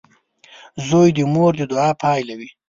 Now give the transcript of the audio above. • زوی د مور د دعا پایله وي.